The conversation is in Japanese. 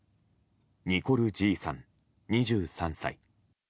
ニコル・ジーさん、２３歳。